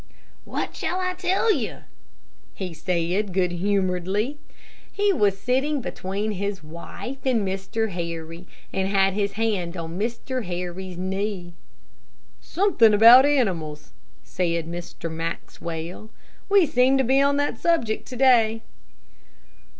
"What shall I tell you?" he said, good humoredly. He was sitting between his wife and Mr. Harry, and had his hand on Mr. Harry's knee. "Something about animals," said Mr. Maxwell. "We seem to be on that subject to day."